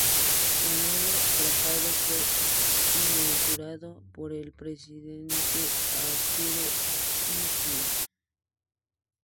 El nuevo trazado fue inaugurado por el Presidente Arturo Illia.